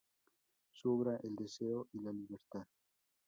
Su obra "El deseo y la libertad.